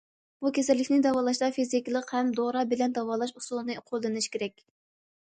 بۇ كېسەللىكنى داۋالاشتا فىزىكىلىق ھەم دورا بىلەن داۋالاش ئۇسۇلىنى قوللىنىش كېرەك.